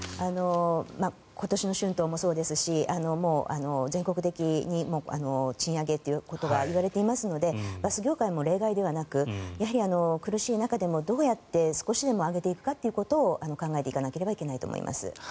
今年の春闘もそうですし全国的に賃上げということがいわれていますのでバス業界も例外ではなく苦しい中でもどうやって少しでも上げていくかということを考えていかなければいけないと思います。